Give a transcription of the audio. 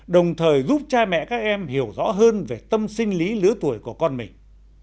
đồng thời giúp cha mẹ các em hiểu rõ hơn về tâm sinh lý lứa tuổi của con mình